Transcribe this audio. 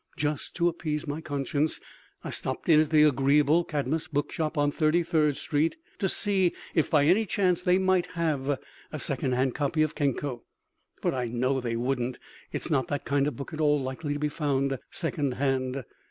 Just to appease my conscience, I stopped in at the agreeable Cadmus bookshop on Thirty third street to see if by any chance they might have a second hand copy of Kenko. But I know they wouldn't; it is not the kind of book at all likely to be found second hand.